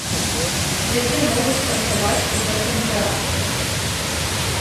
Якія могуць працаваць у гэтым тэатры.